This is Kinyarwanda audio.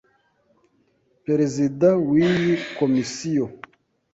Perezida w’iyi Komisiyo,